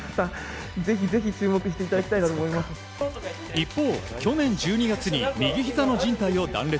一方、去年１２月に右ひざのじん帯を断裂。